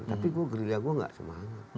tapi gerilya gua nggak semangat